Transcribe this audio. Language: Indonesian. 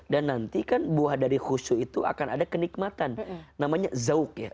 dan nanti kan buah dari husu itu akan ada kenikmatan namanya zauk ya